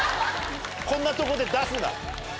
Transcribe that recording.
こんなとこで出すな。